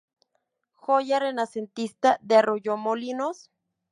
Joya renacentista de Arroyomolinos.